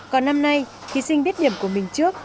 còn năm nay thí sinh biết điểm của mình trước